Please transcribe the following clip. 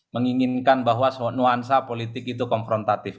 menginginkan bahwa nuansa politik itu konfrontatif